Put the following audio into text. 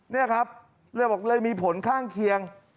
นี่ครับเลยบอกเลยมีผลข้างเคียง